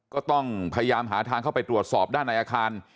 ก็ต้องพยายามหาทางเข้าไปตรวจสอบด้านในอาคาร